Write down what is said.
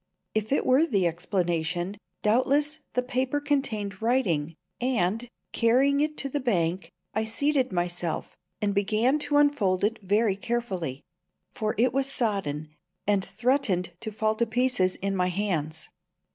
If it were the explanation, doubtless the paper contained writing, and, carrying it to the bank, I seated myself and began to unfold it very carefully; for it was sodden, and threatened to fall to pieces in my hands.